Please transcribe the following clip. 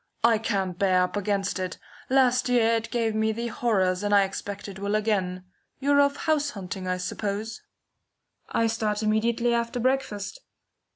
I can't bear up against it. Last year it gave me the horrors, and I expect it will again. You're off house hunting, I suppose?" "I start immediately after breakfast."